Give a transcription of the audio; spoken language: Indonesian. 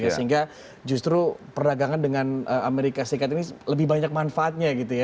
sehingga justru perdagangan dengan amerika serikat ini lebih banyak manfaatnya gitu ya